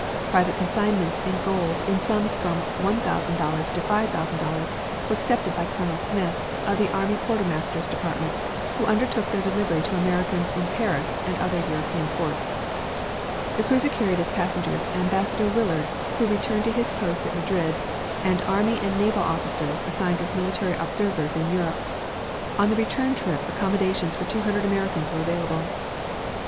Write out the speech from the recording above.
Private consignments in gold in sums from $1,000 to $5,000 were accepted by Colonel Smith, of the army quartermaster's department, who undertook their delivery to Americans in Paris and other European ports. The cruiser carried as passengers Ambassador Willard, who returned to his post at Madrid, and army and naval officers assigned as military observers in Europe. On the return trip accommodations for 200 Americans were available.